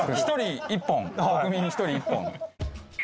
１人１本国民１人１本。